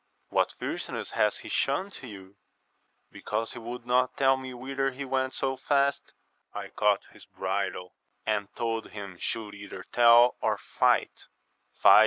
What fierceness hath he shewn to you ? Because he would not tell me whither he went so fast, I caught his bridle, and told him he should either tell or fight.